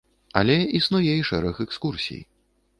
Але існуе і шэраг экскурсій.